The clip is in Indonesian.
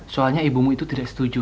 soalnya ibumu itu tidak setuju